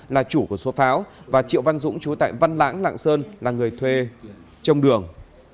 là chủ của số pháo và triệu văn dũng chú tại văn lãng lạng sơn là người thuê trong đường